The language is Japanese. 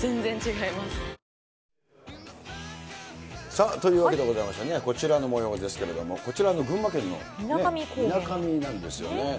さあ、というわけでございましてね、こちらのもようですけれども、こちらは、群馬県の水上なんですよね。